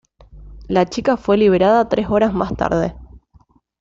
La chica fue liberada tres horas más tarde.